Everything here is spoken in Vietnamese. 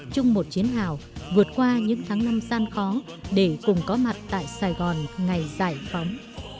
chung một chiến hào vượt qua những tháng năm gian khó để cùng có mặt tại sài gòn ngày giải phóng